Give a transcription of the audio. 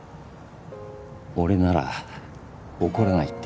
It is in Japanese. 俺なら怒らないって？